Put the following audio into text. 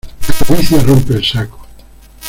La codicia rompe el saco.